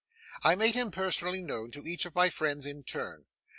I made him personally known to each of my friends in turn.